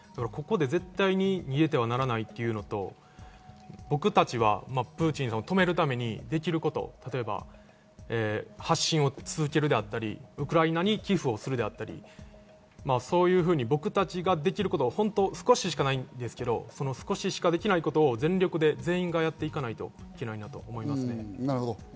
ここで絶対に逃げてはならないというのと、僕たちはプーチンを止めるためにできること、例えば発信を続けるだったり、ウクライナに寄付をするだったり、そういうふうに僕たちができること、少ししかないんですけど、少ししかできないことを全力で全員がやっていかないといけないなと思いますね。